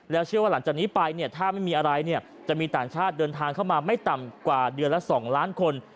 เชื่อว่าหลังจากนี้ไปเนี่ยถ้าไม่มีอะไรเนี่ยจะมีต่างชาติเดินทางเข้ามาไม่ต่ำกว่าเดือนละ๒ล้านคน